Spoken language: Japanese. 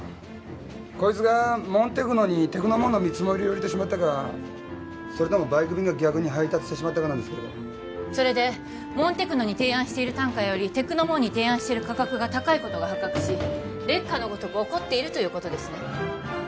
こいつがｍｏｎテクノにテクノｍｏｎの見積もりを入れてしまったかそれともバイク便が逆に配達してしまったかなんですけどそれでｍｏｎテクノに提案している単価よりテクノｍｏｎに提案している価格が高いことが発覚し烈火のごとく怒っているということですね？